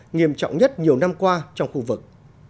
nghiêm trọng nhất nhiều năm qua trong khu vực